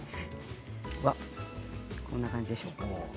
こんな感じでしょうか。